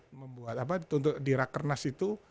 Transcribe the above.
kita membuat apa di rakernas itu